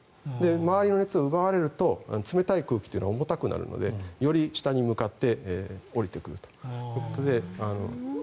周りの熱が奪われると冷たい空気というのは重くなるのでより下に向かって下りてくるということで。